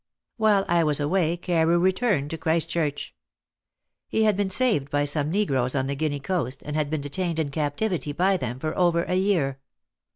"'While I was away, Carew returned to Christchurch. He had been saved by some negroes on the Guinea Coast, and had been detained in captivity by them for over a year.